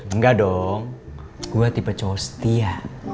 enggak dong gua tipe cowok setia